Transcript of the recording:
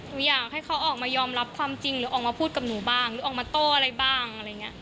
หนูอยากให้เขาออกมายอมรับความจริงหรือออกมาพูดบอกหนูบ้างอย่างงี้